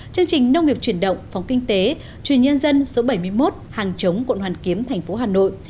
chương trình nông nghiệp chuyển động phóng kinh tế truyền nhân dân số bảy mươi một hàng chống quận hoàn kiếm tp hà nội